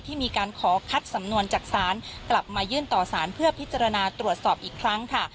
มีการขอคัดสำนวนจากศาลกลับมายื่นต่อสารเพื่อพิจารณาตรวจสอบอีกครั้งค่ะ